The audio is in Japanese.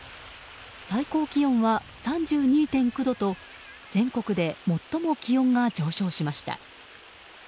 最高気温は３２．９度と全国で最も気温が上昇しました。